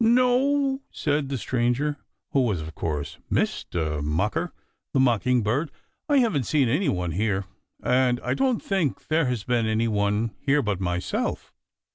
"No," said the stranger, who was, of course, Mistah Mocker the Mockingbird. "I haven't seen any one here, and I don't think there has been any one here but myself."